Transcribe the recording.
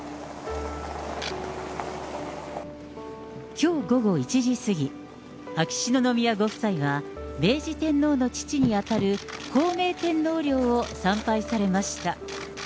きょう午後１時過ぎ、秋篠宮ご夫妻は、明治天皇の父に当たる孝明天皇陵を参拝されました。